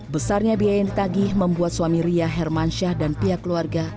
besarnya biaya yang ditagih membuat suami ria hermansyah dan pihak keluarga